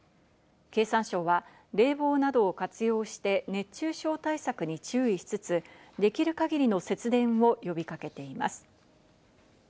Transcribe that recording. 経産省は冷房などを活用して熱中症対策に注意しつつ、できる限りの節電を呼びかけています。